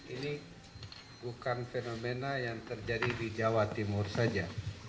ini bukan fenomena yang terjadi di jawa timur saja